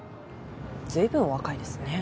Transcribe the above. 随分お若いですねえ。